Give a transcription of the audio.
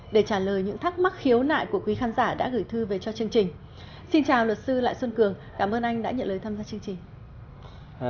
để trả lời những thắc mắc khiếu nại của quý khán giả đã gửi thư về cho chương trình xin chào luật sư lại xuân cường cảm ơn anh đã nhận lời tham gia chương trình